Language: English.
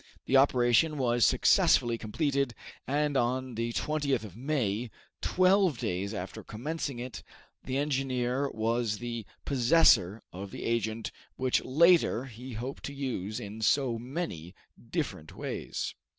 The operation was successfully completed, and on the 20th of May, twelve days after commencing it, the engineer was the possessor of the agent which later he hoped to use in so many different ways.